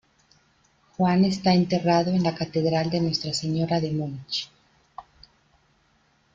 Juan está enterrado en la Catedral de Nuestra Señora de Múnich.